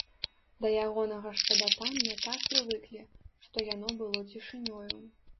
Да ягонага шчабятання так прывыклі, што яно было цішынёю.